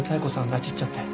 拉致っちゃって。